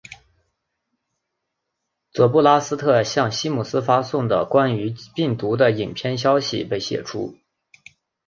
佐布拉斯特向西姆斯发送的关于病毒的影片消息被泄出。